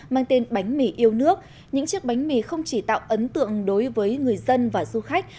mang tên bánh mì yêu nước những chiếc bánh mì không chỉ tạo ấn tượng đối với người dân và du khách